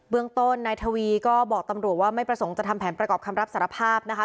เมืองต้นนายทวีก็บอกตำรวจว่าไม่ประสงค์จะทำแผนประกอบคำรับสารภาพนะคะ